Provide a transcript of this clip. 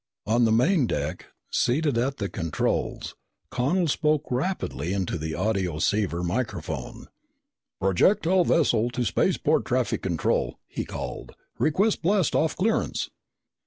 On the main deck, seated at the controls, Connel spoke rapidly into the audioceiver microphone. "Projectile vessel to spaceport traffic control," he called. "Request blast off clearance!"